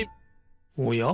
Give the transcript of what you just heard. おや？